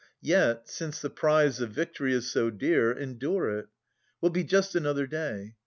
Yet, since the prize of victory is so dear. Endure it. — We'll be just another day.